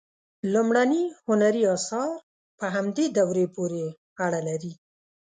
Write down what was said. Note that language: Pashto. لومړني هنري آثار په همدې دورې پورې اړه لري.